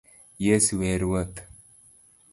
Yesu e Ruoth